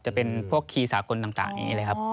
จะเป็นพวกคีย์สากลต่างอย่างนี้เลยครับ